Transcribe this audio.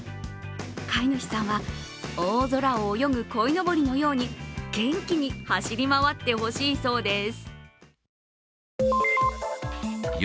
飼い主さんは、大空を泳ぐこいのぼりのように元気に走り回ってほしいそうです。